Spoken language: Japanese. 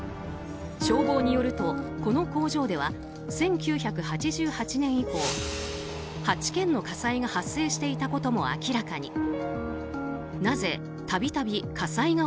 消防によると、この工場では１９８８年以降、８件の火災が発生していたことも明らかに。